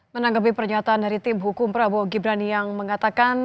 menanggapi pernyataan dari tim hukum prabowo gibran yang mengatakan